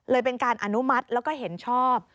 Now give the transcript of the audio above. เป็นการอนุมัติแล้วก็เห็นชอบ